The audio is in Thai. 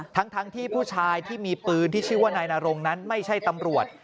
ทั้งที่ผู้ชายที่มีปืนที่ชื่อว่านายนรงนั้นไม่ใช่ตำรวจ